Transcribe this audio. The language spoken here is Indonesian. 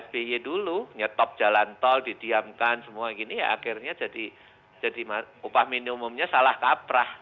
jadi kalau sudah pak sby dulu nyetop jalan tol didiamkan semua gini ya akhirnya jadi upah minimumnya salah kaprah